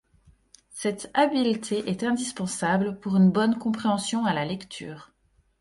Cette habileté est indispensable pour une bonne compréhension à la lecture.